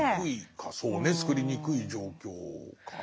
そうねつくりにくい状況かな。